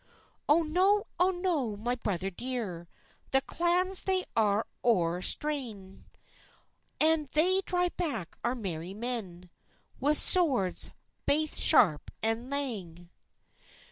"Oh no, oh no, my brither dear, The clans they are ower strang, An they drive back our merry men, Wi swords baith sharp an lang."